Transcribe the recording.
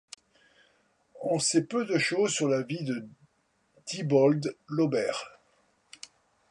On sait peu de choses sur la vie de Diebold Lauber.